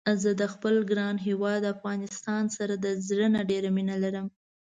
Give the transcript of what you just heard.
زه د خپل ګران هيواد افغانستان سره د زړه نه ډيره مينه لرم